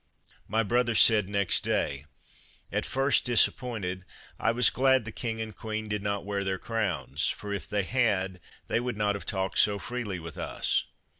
My brother said next day: " At first disappointed, 1 was glad the King and Queen did not wear their crowns, for if they had they would not have talked so freely with us."